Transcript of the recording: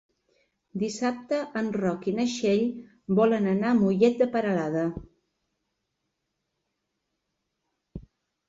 Dissabte en Roc i na Txell volen anar a Mollet de Peralada.